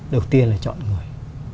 đầu tiên là chọn người